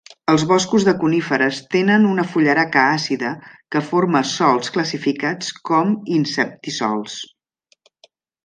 Els boscos de coníferes tenen una fullaraca àcida que forma sòls classificats com inceptisòls.